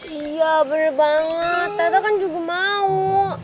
iya bener banget teteh kan juga mau